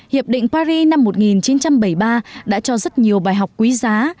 hiệp định paris năm một nghìn chín trăm bảy mươi ba đã cho rất nhiều bài học quý giá